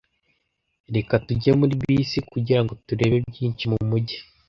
Reka tujye muri bisi kugirango turebe byinshi mumujyi.